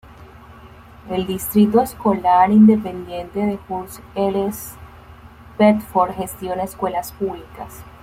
El Distrito Escolar Independiente de Hurst-Euless-Bedford gestiona escuelas públicas.